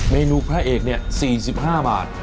เมนูพระเอกนี่๔๕บาท